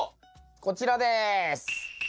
こちらです。